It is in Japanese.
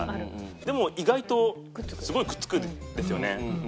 でも意外とすごいくっつくんですよね。